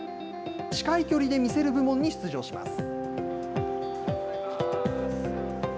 近い距離で見せる部門に出場します。